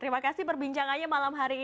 terima kasih perbincangannya malam hari ini